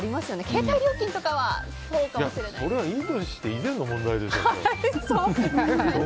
携帯料金とかはそうかもしれないですけど。